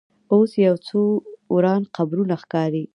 اوس یو څو وران قبرونه ښکاري.